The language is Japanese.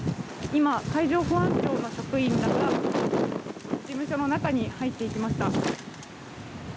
今、海上保安庁の職員らが事務所の中に入っていきました。